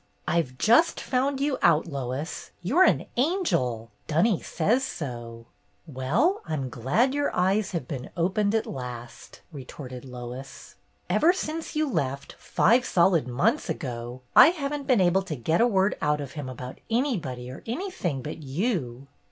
"I just found you out, Lois. You Ye an angel ! Dunny says so !" "Well, I 'm glad your eyes have been opened at last," retorted Lois. "Ever since you left, five solid months ago, I have n't been able to get a word out of him about anybody or anything but you."